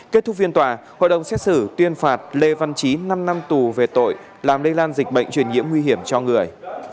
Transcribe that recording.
kết thúc phiên tòa hội đồng xét xử tuyên phạt lê văn chí năm năm tù về tội làm lê an dịch bệnh truyền nhiễm nguy hiểm cho người